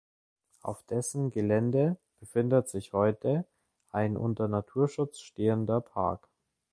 Auf dessen Gelände befindet sich heute ein unter Naturschutz stehender Park.